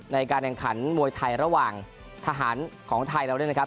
ในการแข่งขันมวยไทยระหว่างทหารของไทยเราด้วยนะครับ